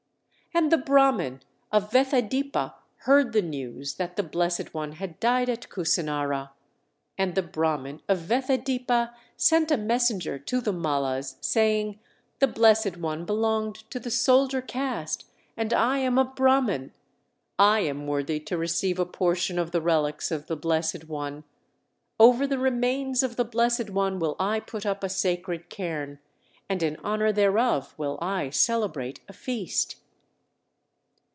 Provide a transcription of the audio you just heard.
And the Brahman of Vethadipa heard the news that the Blessed One had died at Kusinara. And the Brahman of Vethadipa sent a messenger to the Mallas, saying, "The Blessed One belonged to the soldier caste, and I am a Brahman. I am worthy to receive a portion of the relics of the Blessed One. Over the remains of the Blessed One will I put up a sacred cairn, and in honor thereof will I celebrate a feast!"